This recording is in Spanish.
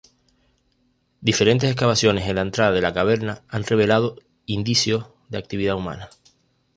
Diferentes excavaciones en la entrada de la caverna han revelado indicios de actividad humana.